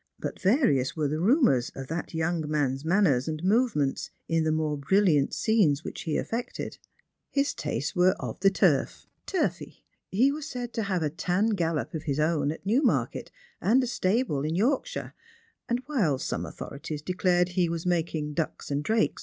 Put various were the rumours of that young man's manners and movements in the more brilliant scenes which he affected. His tastes were of the turf, turfy ; he was said to have a tan gallop of hia own at Newmarket, and a stable in Yorkshire ; and, while some authorities declared that he was makins" ducks and drakes s Strangers and Pilgrims.